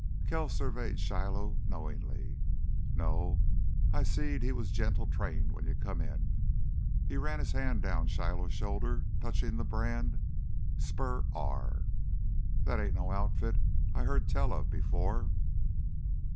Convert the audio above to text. Kells surveyed Shiloh knowingly. "No, I seed he was gentle trained when you come in." He ran his hand down Shiloh's shoulder, touched the brand. "Spur R? That ain't no outfit I heard tell of before."